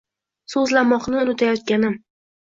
So’zlamoqni unutayotganim